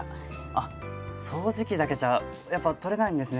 あっ掃除機だけじゃやっぱ取れないんですね